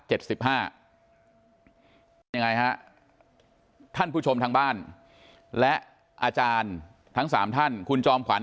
เป็นยังไงฮะท่านผู้ชมทางบ้านและอาจารย์ทั้งสามท่านคุณจอมขวัญ